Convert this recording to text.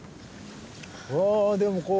あでもこう。